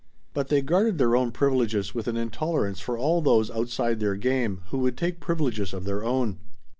But they guarded their own privileges with an intolerance for all those outside their game who would take privileges of their own.